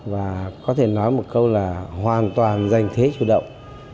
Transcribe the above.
và có thể nói một câu là hoàn toàn danh thế chú động